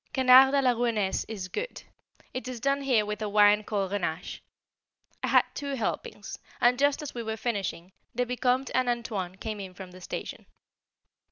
Canard à la Rouennaise is good, it is done here with a wine called Grenache. I had two helpings, and just as we were finishing, the Vicomte and "Antoine" came in from the station.